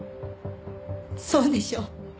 そうでしょ？